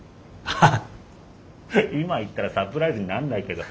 ハハッ今言ったらサプライズになんないけど。